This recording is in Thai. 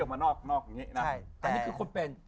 อันนี้คือคนเป็น